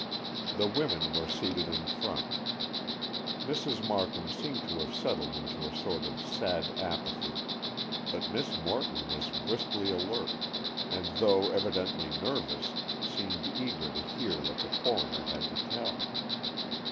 The women were seated in front. Mrs. Markham seemed to have settled into a sort of sad apathy, but Miss Morton was briskly alert and, though evidently nervous, seemed eager to hear what the coroner had to tell.